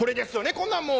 こんなんもう。